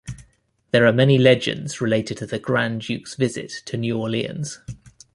There are many legends related to the Grand Duke's visit to New Orleans.